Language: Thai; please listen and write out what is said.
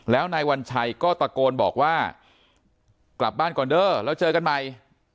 แล้วนายวัญชัยก็ตะโกนบอกว่ากลับบ้านก่อนเด้อแล้วเจอกันใหม่